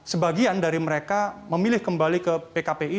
sebagian dari mereka memilih kembali ke pkpi